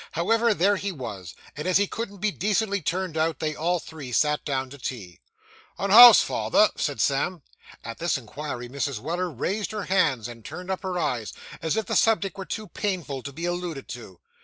However, there he was; and as he couldn't be decently turned out, they all three sat down to tea. 'And how's father?' said Sam. At this inquiry, Mrs. Weller raised her hands, and turned up her eyes, as if the subject were too painful to be alluded to.